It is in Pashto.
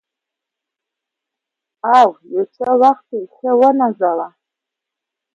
او یو څه وخت یې ښه ونازاوه.